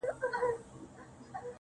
وايي اوس مړ يمه چي مړ سمه ژوندی به سمه,